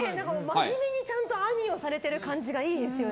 真面目にちゃんとアニーをされてる感じがいいですね。